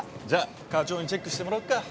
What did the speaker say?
じゃあ課長にチェックしてもらおっか。